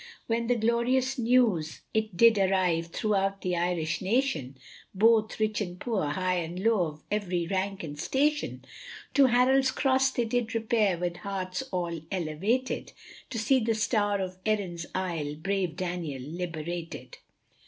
When the glorious news it did arrive throughout the Irish nation, Both rich and poor, high and low, of every rank and station, To Harold's cross they did repair with hearts all elevated, To see the star of Erin's Isle, brave Daniel liberated.